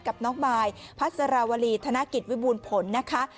กับน้องมายพัสราวรีธนกิจวิบูรณ์ผลนะคะ